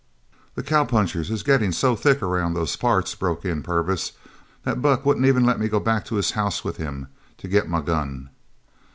"The cowpunchers is gettin' so thick around those parts," broke in Purvis, "that Buck wouldn't even let me go back to his house with him to get my gun."